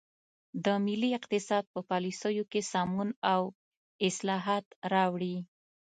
د ملي اقتصاد په پالیسیو کې سمون او اصلاحات راوړي.